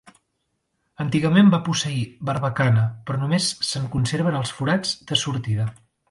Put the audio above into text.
Antigament va posseir barbacana, però només se'n conserven els forats de sortida.